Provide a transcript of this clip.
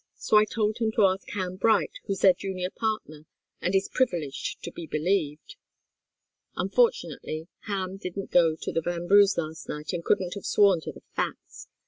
So I told him to ask Ham Bright, who's their junior partner and is privileged to be believed. Unfortunately, Ham didn't go to the Vanbrughs' last night and couldn't have sworn to the facts.